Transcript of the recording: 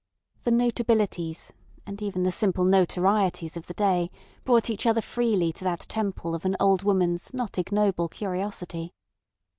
The notabilities and even the simple notorieties of the day brought each other freely to that temple of an old woman's not ignoble curiosity.